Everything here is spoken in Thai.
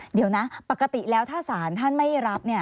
เดี๋ยวนะปกติแล้วถ้าศาลท่านไม่รับ